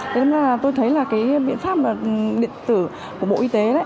thế nên là tôi thấy là cái biện pháp điện tử của bộ y tế